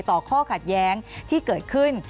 ข้อขัดแย้งที่เกิดขึ้น